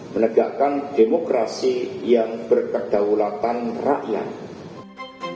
menegakkan demokrasi yang berkedaulatan rakyat